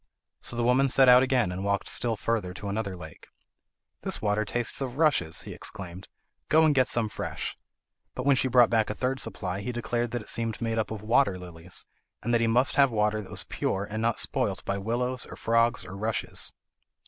So the woman set out again and walked still further to another lake. "This water tastes of rushes," he exclaimed, "go and get some fresh." But when she brought back a third supply he declared that it seemed made up of water lilies, and that he must have water that was pure, and not spoilt by willows, or frogs, or rushes.